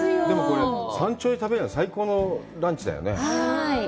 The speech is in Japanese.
でもこれ、山頂で食べるの、最高のランチだよね。